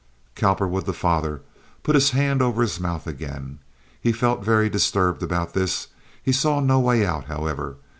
Cowperwood, the father, put his hand over his mouth again. He felt very disturbed about this. He saw no way out, however.